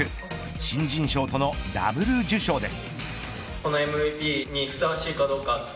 新人賞とのダブル受賞です。